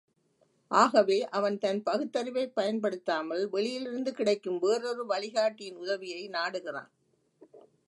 ஆகவே அவன் தன் பகுத்தறிவைப் பயன்படுத்தாமல், வெளியிலிருந்து கிடைக்கும் வேறொரு வழிகாட்டியின் உதவியை நாடுகிறான்.